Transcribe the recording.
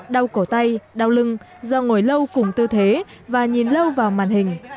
đau cổ tay đau lưng do ngồi lâu cùng tư thế và nhìn lâu vào màn hình